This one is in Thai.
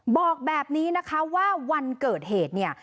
บอกแบบนี้นะคะว่าวันเกิดเหตุเนี่ย